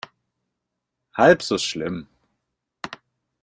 Halb so schlimm.